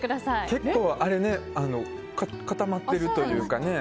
結構、固まっているというか。